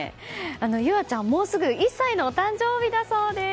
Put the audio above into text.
結葵ちゃんはもうすぐ１歳のお誕生日だそうです！